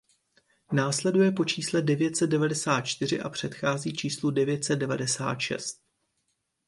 Následuje po čísle devět set devadesát čtyři a předchází číslu devět set devadesát šest.